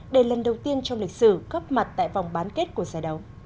để lần đầu tiên trong lịch sử góp mặt tại vòng bán kết của giải đấu